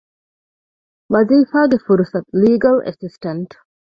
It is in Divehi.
ވަޒިފާގެ ފުރުސަތު - ލީގަލް އެސިސްޓަންޓް